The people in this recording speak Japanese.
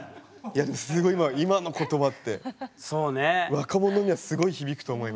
すごい今の言葉って若者にはすごい響くと思います。